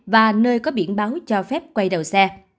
và nơi có biển báo cho phép quay đầu xe